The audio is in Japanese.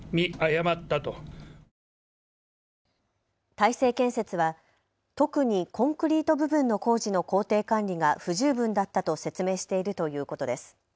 大成建設は特にコンクリート部分の工事の工程管理が不十分だったと説明しているということです。